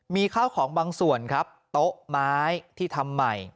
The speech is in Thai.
มีข้าวของบางส่วนครับโต๊ะไม้ที่ทำใหม่